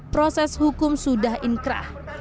proses hukum sudah inkrah